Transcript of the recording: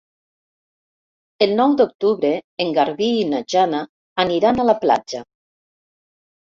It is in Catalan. El nou d'octubre en Garbí i na Jana aniran a la platja.